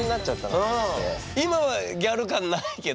今はギャル感ないけど。